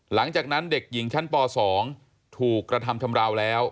หลังจากนั้นเด็กหญิงชั้นป๒ถูกกระทำชำราวแล้ว